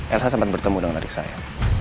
elsa sempat bertemu dengan adik saya